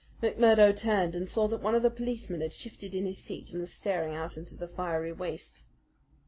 McMurdo turned and saw that one of the policemen had shifted in his seat and was staring out into the fiery waste.